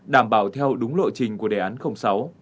đảm bảo theo đúng lộ trình của đề án sáu